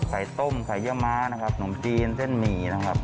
ไข่ต้มไข่เยื่อม้านะครับขนมจีนเส้นหมี่นะครับ